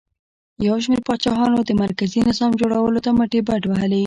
یو شمېر پاچاهانو د مرکزي نظام جوړولو ته مټې بډ وهلې